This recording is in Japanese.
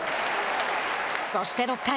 そして６回。